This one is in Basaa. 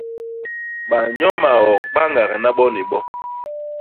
Banyo maok ba ñagna bo ni bo.